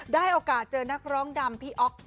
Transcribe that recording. ได้โอกาสเจอนักร้องดำพี่อ๊อก